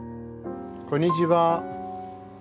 こんにちは。